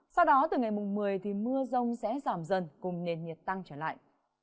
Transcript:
sau đó từ ngày mùng một mươi thì mưa rông sẽ giảm dần cùng nền nhiệt tăng trở lại